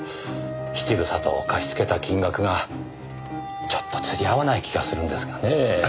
質草と貸しつけた金額がちょっと釣り合わない気がするんですがねぇ。